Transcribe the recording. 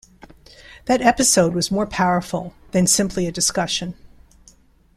That episode was more powerful than simply a discussion.